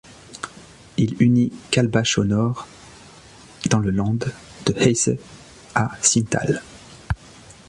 Il unit Kalbach au nord, dans le land de Hesse, à Sinntal.